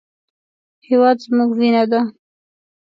هېواد زموږ وینه ده